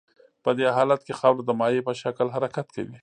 په دې حالت کې خاوره د مایع په شکل حرکت کوي